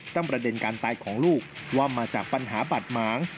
ประเด็นการตายของลูกว่ามาจากปัญหาบาดหมาง